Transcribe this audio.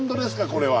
これは。